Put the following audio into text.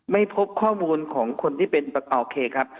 ไม่พบข้อมูลของคนที่เป็นประกอบเคครับ